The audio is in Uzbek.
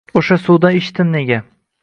O’sha suvdan ichdim nega